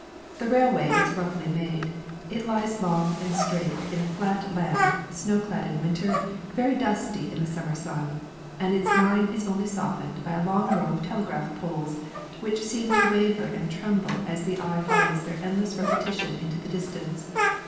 The railroad is roughly made; it lies long and straight in a flat land, snow clad in winter, very dusty in the summer sun, and its line is only softened by a long row of telegraph poles, which seem to waver and tremble as the eye follows their endless repetition into the distance.